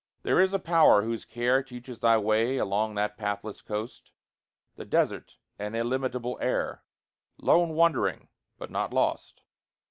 There is a Power whose care Teaches thy way along that pathless coast The desert and illimitable air Lone wandering, but not lost.